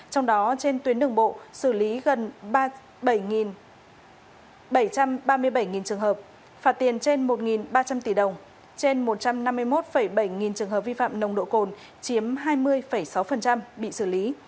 trong đó trên tuyến đường bộ xử lý gần bảy trăm ba mươi bảy trường hợp phạt tiền trên một ba trăm linh tỷ đồng trên một trăm năm mươi một bảy nghìn trường hợp vi phạm nồng độ cồn chiếm hai mươi sáu bị xử lý